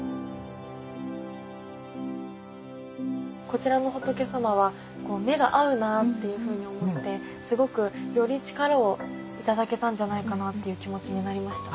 こちらの仏様は目が合うなっていうふうに思ってすごくより力を頂けたんじゃないかなっていう気持ちになりました。